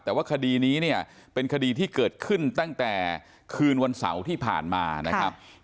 แต่ว่าคดีนี้เนี่ยเป็นคดีที่เกิดขึ้นตั้งแต่คืนวันเสาร์ที่ผ่านมานะครับ